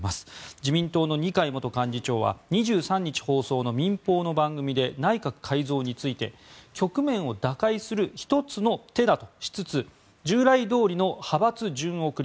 自民党の二階元幹事長は２３日放送の民放の番組で内閣改造について局面を打開する１つの手だとしつつ従来どおりの派閥順送り